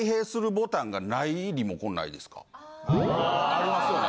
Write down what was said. ありますよね。